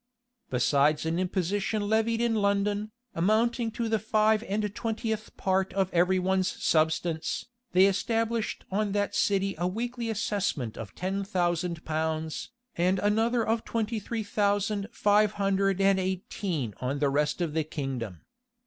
Besides an imposition levied in London, amounting to the five and twentieth part of every one's substance, they established on that city a weekly assessment of ten thousand pounds, and another of twenty three thousand five hundred and eighteen on the rest of the kingdom.